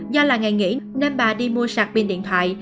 do là ngày nghỉ nên bà đi mua sạc pin điện thoại